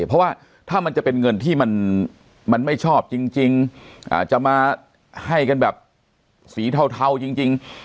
เพราะว่าถ้ามันจะเป็นเงินที่มันไม่ชอบจริงจะมาให้กันแบบสีเทาจริง